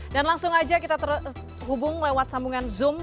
langsung aja kita terhubung lewat sambungan zoom